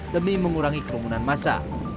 demi mengurangi kerumunan masa